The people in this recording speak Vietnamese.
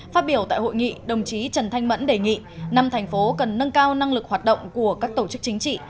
phát biểu tại hội nghị đồng chí trần thanh mẫn đề nghị năm thành phố cần nâng cao năng lực hoạt động của các tổ chức chính trị